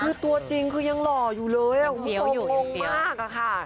คือตัวจริงคือยังหล่ออยู่เลยห่วงมากอะค่ะ